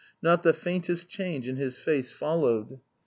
Not the faintest change in his face followed.